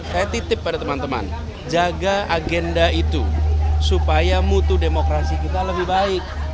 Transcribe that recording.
saya titip pada teman teman jaga itu supaya mutu demokrasi kita lebih baik